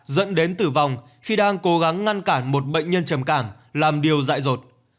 dẫn đến tử vong khi đang cố gắng ngăn cản một bệnh nhân trầm cảm làm điều dạy rột